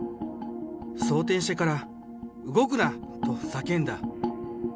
装填してから、動くな！と叫んだ。